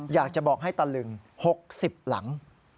อยากจะบอกให้ตะลึง๖๐หลัง